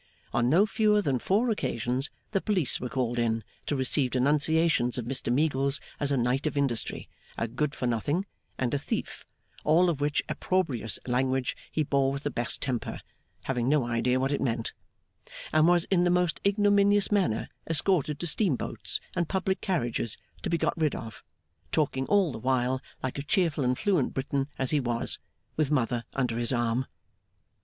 On no fewer than four occasions the police were called in to receive denunciations of Mr Meagles as a Knight of Industry, a good for nothing, and a thief, all of which opprobrious language he bore with the best temper (having no idea what it meant), and was in the most ignominious manner escorted to steam boats and public carriages, to be got rid of, talking all the while, like a cheerful and fluent Briton as he was, with Mother under his arm.